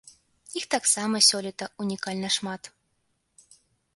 Іх таксама сёлета унікальна шмат.